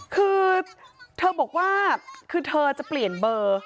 คือเธอบอกว่าคือเธอจะเปลี่ยนเบอร์